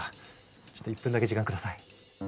ちょっと１分だけ時間下さい。